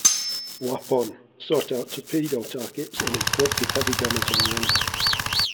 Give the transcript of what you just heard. "Lapon" sought out torpedo targets and inflicted heavy damage on the enemy.